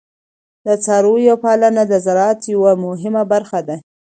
د څارویو پالنه د زراعت یوه مهمه برخه ده.